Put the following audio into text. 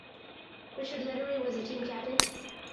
Richard Lettieri was the team captain.